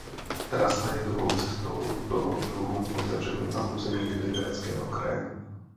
Trasa je druhou cestou toho druhu otevřenou na území Libereckého kraje.